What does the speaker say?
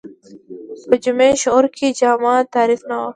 په جمعي شعور کې جامع تعریف نه و